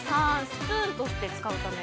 スプーンとして使うため。